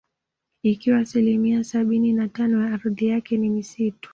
Ikiwa asilimia sabini na tano ya ardhi yake ni misitu